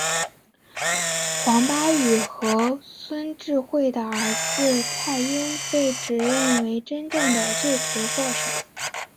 黄巴宇和孙智慧的儿子泰英被指认为真正的罪魁祸首。